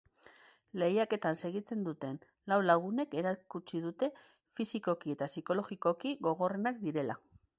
Lehiaketan segitzen duten lau lagunek erakutsi dute fisikoki eta psikologikoki gogorrenak direla.